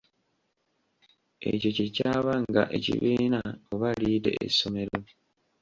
Ekyo kye kyabanga ekibiina oba liyite essomero.